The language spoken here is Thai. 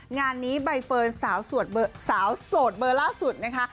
งานนี้ใบเฟิร์นสาวโสดเบอร์ล่าสุดนะคะ